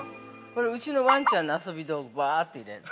◆これ、うちのわんちゃんの遊び道具、バーって入れる。